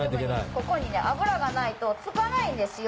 ここに油がないと付かないんで塩が。